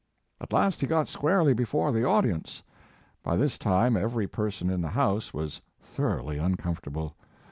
At last he got squarely before the audience. By this time every person in the house was thoroughly un comfortable.